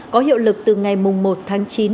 có hiệu lực từ nguyễn xuân phúc